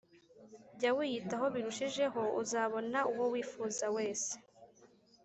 Jya wiyitaho birushijeho uzabona uwo wifuza wese